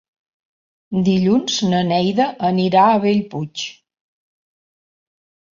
Dilluns na Neida anirà a Bellpuig.